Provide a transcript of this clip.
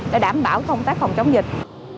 để đảm bảo công tác phòng chống dịch